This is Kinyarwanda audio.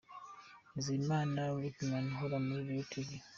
Nzeyimana Luckyman ukora kuri Royal Tv.